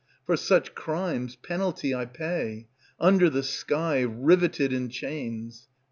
For such crimes penalty I pay, Under the sky, riveted in chains.